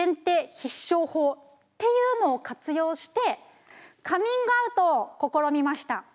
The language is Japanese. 必勝法っていうのを活用してカミングアウトを試みました。